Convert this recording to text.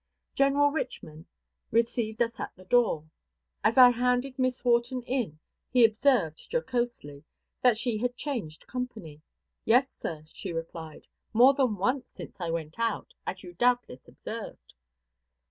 General Richman received us at the door. As I handed Miss Wharton in, he observed, jocosely, that she had changed company. "Yes, sir," she replied, "more than once since I went out, as you doubtless observed."